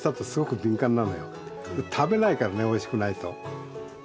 食べないからねおいしくないと。